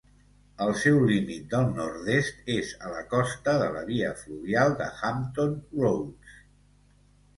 El seu límit del nord-est és a la costa de la via fluvial de Hampton Roads.